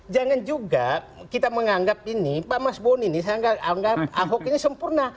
jangan juga kita menganggap ini pak mas boni nih saya anggap ahok ini sempurna